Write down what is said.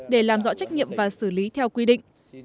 để làm rõ trách nhiệm và xử lý theo quy định